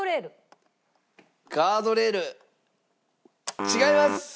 ガードレール違います！